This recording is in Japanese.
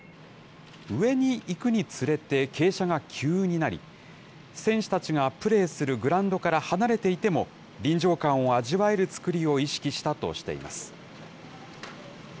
上に行くにつれて傾斜が急になり、選手たちがプレーするグラウンドから離れていても、臨場感を味わえる造りを意識したとしています。